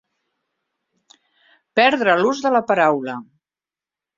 Perdre l'ús de la paraula.